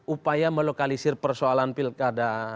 upaya melokalisir persoalan pilkada